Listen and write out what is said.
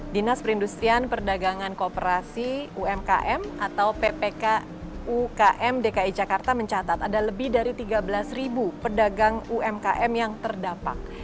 dinas perindustrian perdagangan kooperasi umkm atau ppk ukm dki jakarta mencatat ada lebih dari tiga belas pedagang umkm yang terdampak